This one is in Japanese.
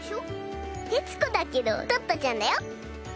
徹子だけどトットちゃんだよ。